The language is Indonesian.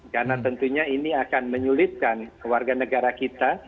karena tentunya ini akan menyulitkan warga negara kita